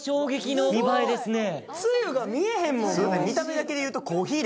つゆが見えへんもん。